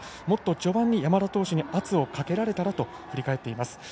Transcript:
もっと序盤の山田投手に圧をかけられたらと振り返っています。